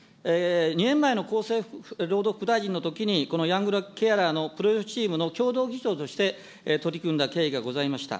２年前の厚生労働副大臣のときに、このヤングケアラーのプロジェクトチームの共同議長として取り組んだ経緯がございました。